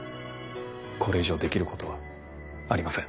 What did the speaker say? これ以上できることはありません。